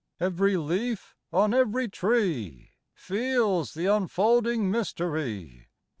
Every leaf on every tree Feels the unfolding mystery.